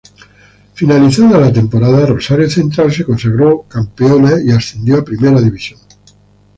Finalizada la temporada, Rosario Central se consagró campeón y ascendió a Primera División.